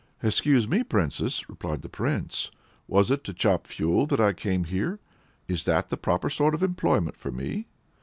"Excuse me, Princess," replied the prince. "Was it to chop fuel that I came here? Is that the proper sort of employment for me?